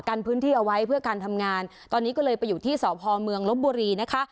กันพื้นที่เอาไว้เพื่อการทำงานตอนนี้ก็เลยไปอยู่ที่สพเมืองลบบุรีนะคะ